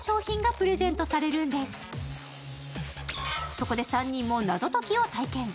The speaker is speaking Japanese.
そこで３人も謎解きを体験。